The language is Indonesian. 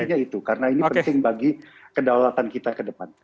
artinya itu karena ini penting bagi kedaulatan kita ke depan